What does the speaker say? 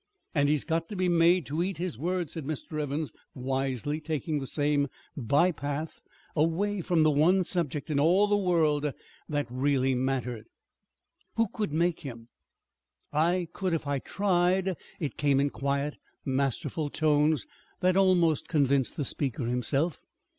"And he's got to be made to eat his words," said Mr. Evans, wisely taking the same by path away from the one subject in all the world that really mattered. "Who could make him?" "I could, if I tried." It came in quiet, masterful tones that almost convinced the speaker himself.